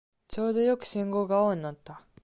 ちょうどよく信号が青になった